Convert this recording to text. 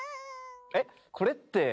えっこれって。